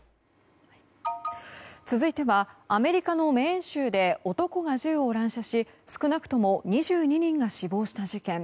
続いてはアメリカのメーン州で男が銃を乱射し少なくとも２２人が死亡した事件。